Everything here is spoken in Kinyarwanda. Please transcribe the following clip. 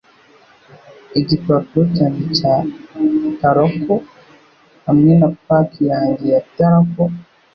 Igipapuro cyanjye cya Taroc hamwe na pack yanjye ya Taroc